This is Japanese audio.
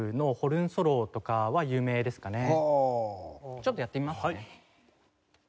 ちょっとやってみますね。